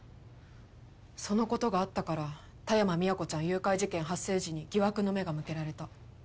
その事があったから田山宮子ちゃん誘拐事件発生時に疑惑の目が向けられた。